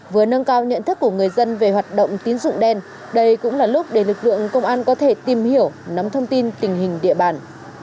vừa nâng cao nhận thức của người dân về hoạt động tín dụng đen đây cũng là lúc để lực lượng công an có thể tìm hiểu nắm thông tin tình hình địa bàn